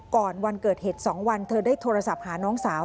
วันเกิดเหตุ๒วันเธอได้โทรศัพท์หาน้องสาว